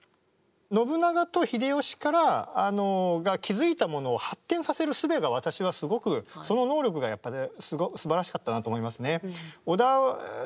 信長と秀吉が築いたものを発展させるすべが私はすごくその能力がやっぱねすばらしかったなと思いますね。